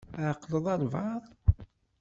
Tɛeqqleḍ albaɛḍ?